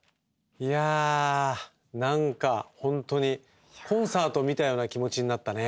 いやあ何か本当にコンサートを見たような気持ちになったね。